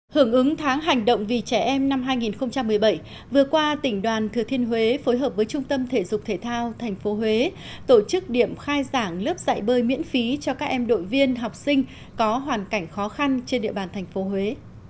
hưởng ứng tháng hành động vì trẻ em năm hai nghìn một mươi bảy vừa qua tỉnh đoàn thừa thiên huế phối hợp với trung tâm thể dục thể thao tp huế tổ chức điểm khai giảng lớp dạy bơi miễn phí cho các em đội viên học sinh có hoàn cảnh khó khăn trên địa bàn thành phố huế